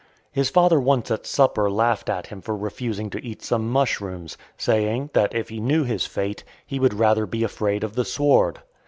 His father once at supper laughed at him for refusing to eat some mushrooms, saying, that if he knew his fate, he would rather be afraid of the sword.